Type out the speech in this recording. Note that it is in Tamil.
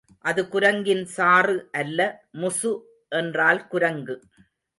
அது குரங்கின் சாறு அல்ல முசு என்றால் குரங்கு.